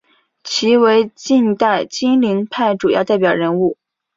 其为近代金陵派主要代表人物。